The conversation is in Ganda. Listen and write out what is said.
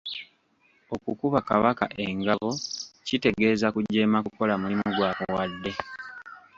Okukuba Kabaka engabo kitegeeza kujeema kukola mulimu gw’akuwadde.